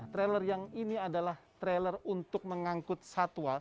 trailer yang ini adalah trailer untuk mengangkut satwa